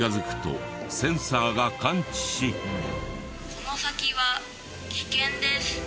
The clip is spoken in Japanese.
「この先は危険です。